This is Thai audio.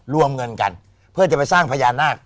รวมเงินกันเพื่อจะไปสร้างพญานาค